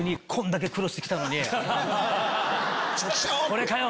これかよ！